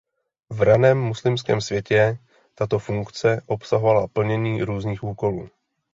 V raném muslimském světě tato funkce obsahovala plnění různých úkolů.